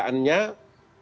fir'aun dengan kekuasaannya